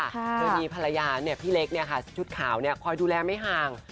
โดยมีภรรยาพี่เล็กชุดขาวคอยดูแลไม่ห่าง